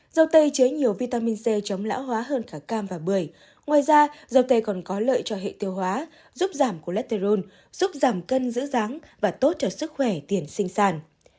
dầu tây chế nhiều vitamin c chống lão hóa hơn cả cam và bưởi ngoài ra dầu tây còn có lợi cho hệ tiêu hóa giúp giảm cholesterol giúp giảm cân giữ ráng và tốt cho sức khỏe tiền sinh sản